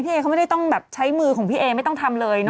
เอเขาไม่ได้ต้องแบบใช้มือของพี่เอไม่ต้องทำเลย